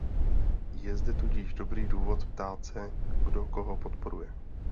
Je zde tudíž dobrý důvod ptát se, kdo koho podporuje.